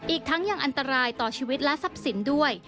อีกทั้งยังอันตรายต่อชีวิตและทรัพย์สินด้วย